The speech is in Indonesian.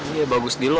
iya bagus di lo